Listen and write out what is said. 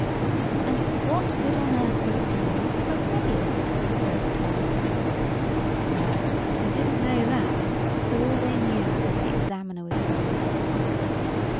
"And what good on earth will it do you if I did tell you?" quoth Tom. Well, they didn't know that: all they knew was the examiner was coming.